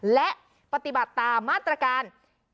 และปฏิบัติตามมาตรการ